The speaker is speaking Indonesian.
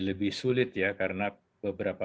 lebih sulit ya karena beberapa